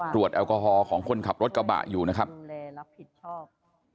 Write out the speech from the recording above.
แอลกอฮอล์ของคนขับรถกระบะอยู่นะครับ